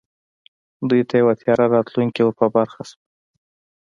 دوی ته یو تیاره راتلونکی ور په برخه شو